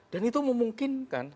dan itu memungkinkan